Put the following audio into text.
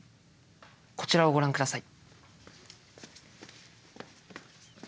こちらをご覧下さい。